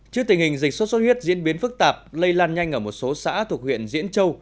trước tình hình dịch sốt xuất huyết diễn biến phức tạp lây lan nhanh ở một số xã thuộc huyện diễn châu